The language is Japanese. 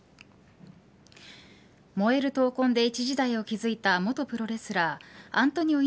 燃える闘魂で一時代を築いた元プロレスラーアントニオ